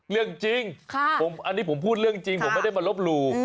เรื่องจริงอันนี้ผมพูดเรื่องจริงผมไม่ได้มาลบหลู่